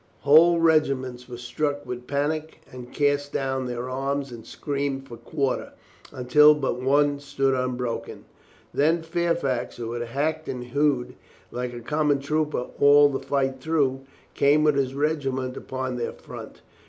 Whole regiments were struck with panic and cast down their arms and screamed for quarter, until but one stood unbroken. Then Fairfax, who had hacked and hewed like a common trooper all the fight through, came with his regiment upon their front.